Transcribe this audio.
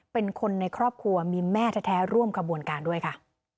เป็นคนในครอบครัวมีแม่แท้ร่วมขบวนการด้วยค่ะ